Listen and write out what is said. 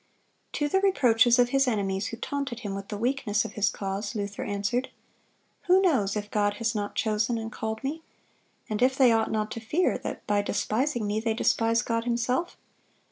(193) To the reproaches of his enemies who taunted him with the weakness of his cause, Luther answered: "Who knows if God has not chosen and called me, and if they ought not to fear that, by despising me, they despise God Himself?